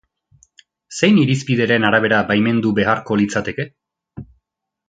Zein irizpideren arabera baimendu beharko litzateke?